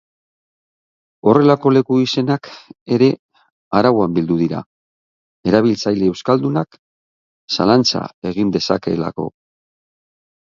Horrelako leku-izenak ere arauan bildu dira, erabiltzaile euskaldunak zalantza egin dezakeelako.